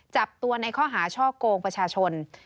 จับตัวในข้อหาช่อกงประชาชน